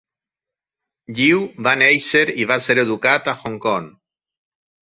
Yiu va néixer i va ser educat a Hong Kong.